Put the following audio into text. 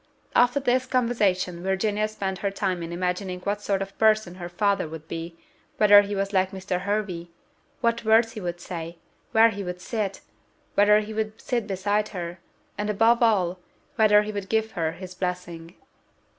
After this conversation Virginia spent her time in imagining what sort of person her father would be; whether he was like Mr. Hervey; what words he would say; where he would sit; whether he would sit beside her; and, above all, whether he would give her his blessing.